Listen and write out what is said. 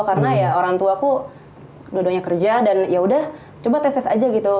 karena ya orang tuaku dua duanya kerja dan yaudah coba tes tes aja gitu